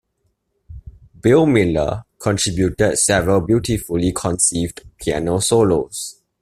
Bill Miller contributed several beautifully conceived piano solos.